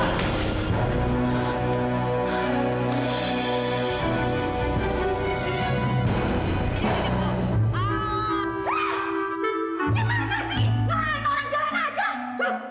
kalau siapa sih